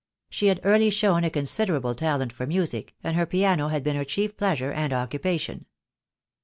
She had early shown a considerable talent for music, and her piano had been her chief pleasure and occupation.